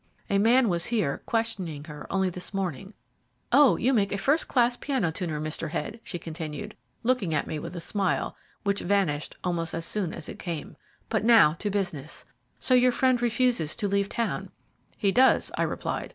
A man was here questioning her only this morning. Oh, you make a first class piano tuner, Mr. Head," she continued, looking at me with a smile, which vanished almost as soon as it came. "But now to business. So your friend refuses to leave town." "He does," I replied.